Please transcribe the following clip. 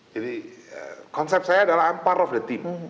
jadi konsep saya adalah i'm part of the team